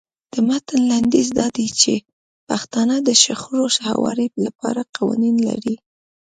د متن لنډیز دا دی چې پښتانه د شخړو هواري لپاره قوانین لري.